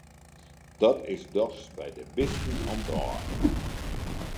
Dat is dochs by de bisten om't ôf!